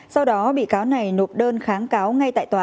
sau đó bị cáo này nộp đơn kháng cáo ngay tại tòa